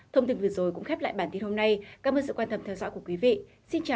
thông tin vừa rồi cũng khép lại bản tin hôm nay cảm ơn sự quan tâm theo dõi của quý vị xin chào và hẹn gặp lại